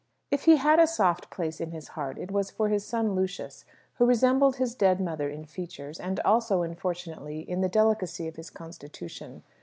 If he had a soft place in his heart, it was for his son Lucius, who resembled his dead mother in features, and also, unfortunately, in the delicacy of his constitution.